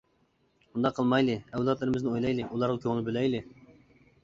ئۇنداق قىلمايلى، ئەۋلادلىرىمىزنى ئويلايلى، ئۇلارغا كۆڭۈل بۆلەيلى.